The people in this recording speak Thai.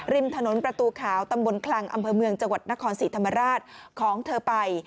ริมถนนประตูขาวตำบลคลังอำเภอเมืองจังหวัดนครศรีธรรมราชของเธอไป